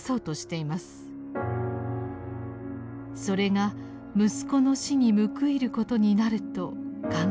それが息子の死に報いることになると考えてきました。